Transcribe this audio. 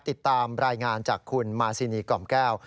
ติดตามรายงานจากคุณมาซีนีกล่อมแก้ว